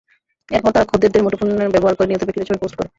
এরপর তারা খদ্দেরদের মুঠোফোন ব্যবহার করে নিহত ব্যক্তিদের ছবি পোস্ট করে।